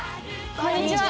こんにちは！